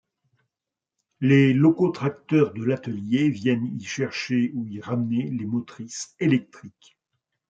Les locotracteurs de l'atelier viennent y chercher ou y ramener les motrices électriques.